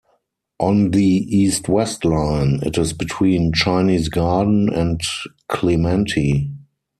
On the East West Line, it is between Chinese Garden and Clementi.